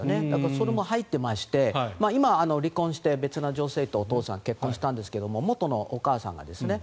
それも入っていまして今は離婚して別の女性とお父さんは結婚したんですが元のお母さんがですね。